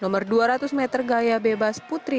nomor dua ratus meter gaya bebas putri